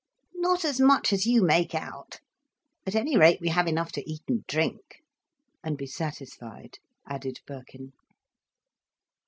"Not as much as you make out. At any rate, we have enough to eat and drink—" "And be satisfied," added Birkin.